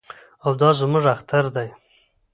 او دا زموږ اختر دی.